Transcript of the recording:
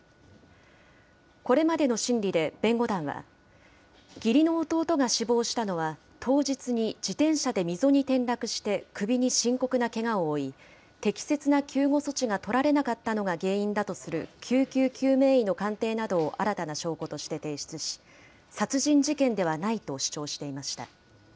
これまでの審理で弁護団は、義理の弟が死亡したのは、当日に自転車で溝に転落して首に深刻なけがを負い、適切な救護措置が取られなかったのが原因だとする救急救命医の鑑定などを新たな証拠として提出し、殺人事件ではないと主張していました。